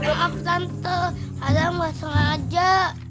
aku tante adam gak sengaja